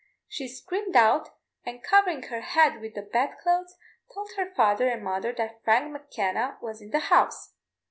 She screamed out, and covering her head with the bed clothes, told her father and mother that Frank M'Kenna was in the house.